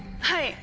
はい。